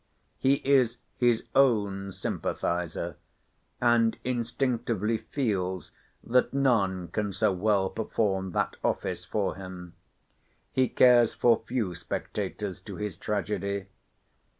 He is his own sympathiser; and instinctively feels that none can so well perform that office for him. He cares for few spectators to his tragedy.